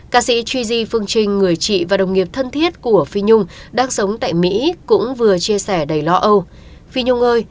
ca sĩ tri di phương trinh người chị và đồng nghiệp thân thiết của phi nhung đang sống tại mỹ cũng vừa chia sẻ đầy lõ âu